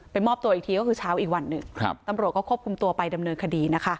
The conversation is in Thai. มอบตัวอีกทีก็คือเช้าอีกวันหนึ่งครับตำรวจก็ควบคุมตัวไปดำเนินคดีนะคะ